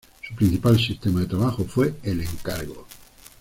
Su principal sistema de trabajo fue el encargo.